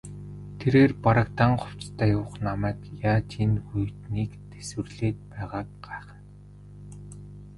Тэрээр бараг дан хувцастай явах намайг яаж энэ хүйтнийг тэсвэрлээд байгааг гайхна.